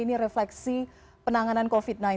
ini refleksi penanganan covid sembilan belas